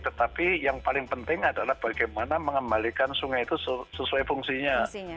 tetapi yang paling penting adalah bagaimana mengembalikan sungai itu sesuai fungsinya